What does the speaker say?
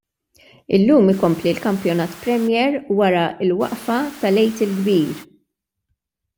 Illum ikompli l-kampjonat premier wara l-waqfa tal-Għid il-Kbir.